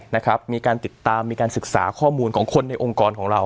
นะครับมีการติดตามมีการศึกษาข้อมูลของคนในองค์กรของเรา